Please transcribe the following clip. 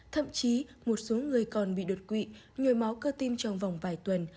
thậm chí một số người còn bị đột quỵ nhồi máu cơ tim trong vòng vài tuần